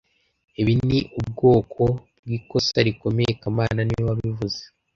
Ibi ni ubwoko bwikosa rikomeye kamana niwe wabivuze